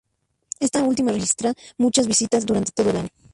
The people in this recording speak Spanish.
Esta última registra muchas visitas durante todo el año.